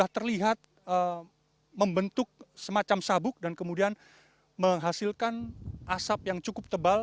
terlihat membentuk semacam sabuk dan kemudian menghasilkan asap yang cukup tebal